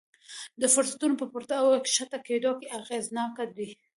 د فرصتونو په پورته او ښکته کېدو کې اغېزناک دي.